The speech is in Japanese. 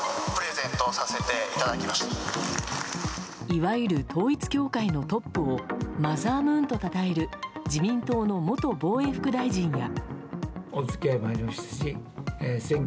いわゆる統一教会のトップをマザームーンとたたえる自民党の元防衛副大臣や。